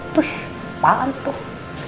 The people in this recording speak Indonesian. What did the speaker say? tuh kepalan tuh